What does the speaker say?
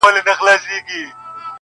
کشکي ستا پر لوڅ بدن وای ځلېدلی-!